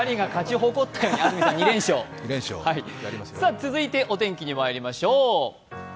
続いてお天気にまいりましょう。